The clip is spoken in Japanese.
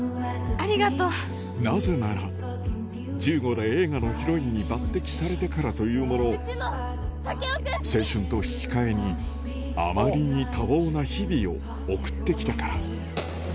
なぜなら、１５で映画のヒロインに抜てきされてからというもの、青春と引き換えに、あまりに多忙な日々を送ってきたから。